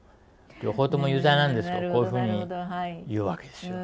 両方とも有罪なんですとこういうふうに言うわけですよ。